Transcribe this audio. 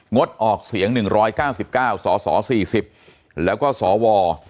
ดออกเสียง๑๙๙สส๔๐แล้วก็สว